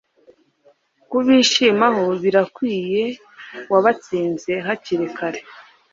Kubishimaho birakwiye wabatsinze hakirikare